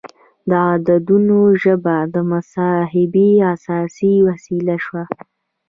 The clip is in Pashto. د عددونو ژبه د محاسبې اساسي وسیله شوه.